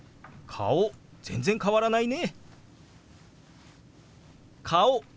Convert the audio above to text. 「顔全然変わらないね」。